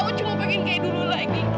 aku cuma pengen kayak dulu lagi rizky